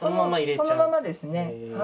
そのままですね。